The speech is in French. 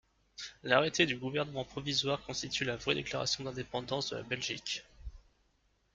L'arrêté du Gouvernement provisoire constitue la vraie déclaration d'indépendance de la Belgique.